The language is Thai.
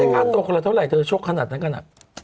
เท่ากันตกละเท่าไรเธอชกขนาดนั้นกัน